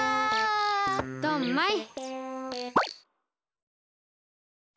ドンマイ！